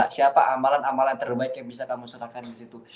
siapa amalan amalan terbaik yang bisa kamu serahkan disitu